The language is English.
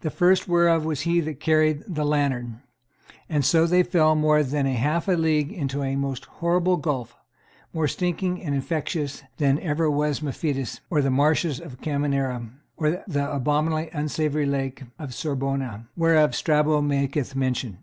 The first whereof was he that carried the lantern, and so they fell more than half a league into a most horrible gulf, more stinking and infectious than ever was Mephitis, or the marshes of the Camerina, or the abominably unsavoury lake of Sorbona, whereof Strabo maketh mention.